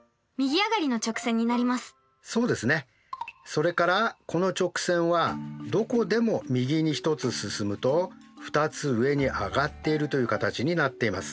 それからこの直線はどこでも右に１つ進むと２つ上に上がっているという形になっています。